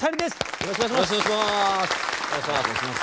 よろしくお願いします。